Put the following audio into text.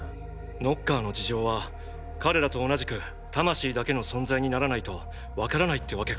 ノッカーの事情は彼らと同じく魂だけの存在にならないとわからないってわけか。